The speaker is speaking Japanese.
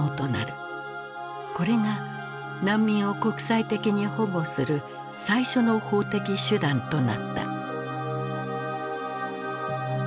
これが難民を国際的に保護する最初の法的手段となった。